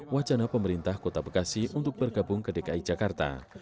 wacana pemerintah kota bekasi untuk bergabung ke dki jakarta